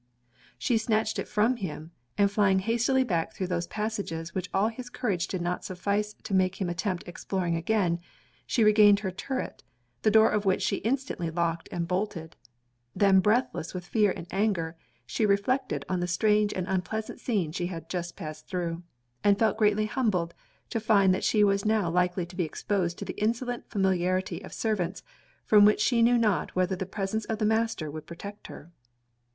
She snatched it from him; and flying hastily back through those passages which all his courage did not suffice to make him attempt exploring again, she regained her turret, the door of which she instantly locked and bolted; then breathless with fear and anger, she reflected on the strange and unpleasant scene she had passed through, and felt greatly humbled, to find that she was now likely to be exposed to the insolent familiarity of servants, from which she knew not whether the presence of the master would protect her.